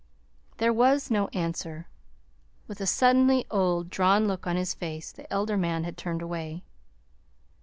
There was no answer. With a suddenly old, drawn look on his face, the elder man had turned away.